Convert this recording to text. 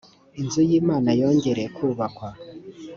inzu y imana yongere kubakwa